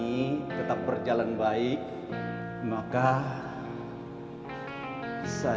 itu dulu amentu punya ruangan gitu